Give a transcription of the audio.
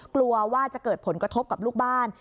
กลัวว่าจะเกิดผลกระทบกับลูกบ้าน